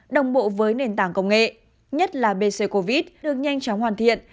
đồng bộ với nền tảng công nghệ nhất là bc covid được nhanh chóng hoàn thiện